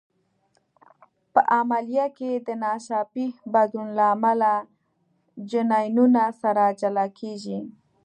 په عملیه کې د ناڅاپي بدلون له امله جینونه سره جلا کېږي.